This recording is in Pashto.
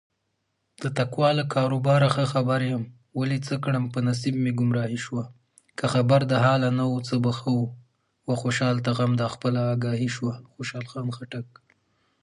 د سپینې ږیرې سړي مشورې تل د عبرت درسونه لري.